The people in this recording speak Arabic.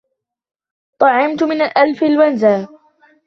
طُعِّمتُ من الإنفلونزا.